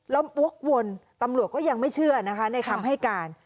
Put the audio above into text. แล้ววกวนตำรวจก็ยังไม่เชื่อนะคะในคำให้การ